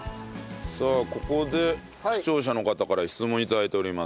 さあここで視聴者の方から質問頂いております。